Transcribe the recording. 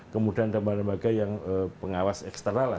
kemudian ada lembaga lembaga yang pengawas ekstral lah